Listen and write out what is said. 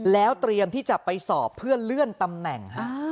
แล้วเตรียมที่จะไปสอบเพื่อเลื่อนตำแหน่ง